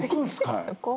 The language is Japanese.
はい。